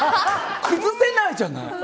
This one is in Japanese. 崩せないじゃない。